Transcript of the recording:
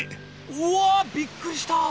うわびっくりした！